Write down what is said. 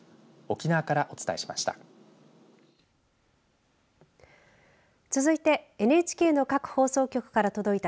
沖縄からお伝えしました。